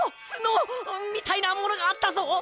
つのみたいなものがあったぞ！